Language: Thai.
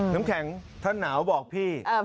น้ำแข็งถ้าหนาวบอกพี่